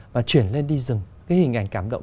và chuyển lên đi rừng cái hình ảnh cảm động